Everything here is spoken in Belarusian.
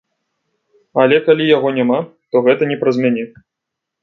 Але калі яго няма, то гэта не праз мяне.